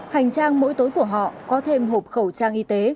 hành trang mỗi túi của họ có thêm hộp khẩu trang y tế